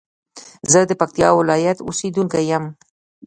زه د پکتيا ولايت اوسېدونکى يم.